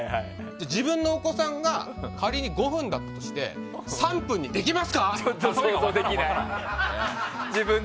自分のお子さんが仮に５分だったとしてちょっと想像できない。